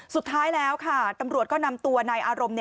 สุดท้ายแล้วค่ะตำรวจก็นำตัวนายอารมณ์